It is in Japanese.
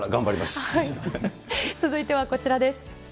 続いてはこちらです。